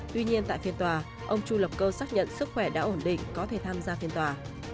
tuy nhiên tại phiên tòa ông chu lập cơ xác nhận sức khỏe đã ổn định có thể tham gia phiên tòa